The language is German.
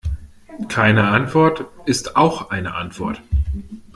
Keine Antwort ist auch eine Antwort.